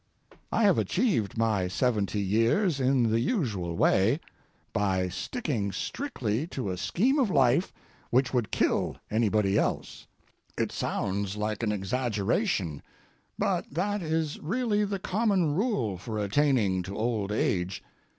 I have achieved my seventy years in the usual way: by sticking strictly to a scheme of life which would kill anybody else. It sounds like an exaggeration, but that is really the common rule for attaining to old age.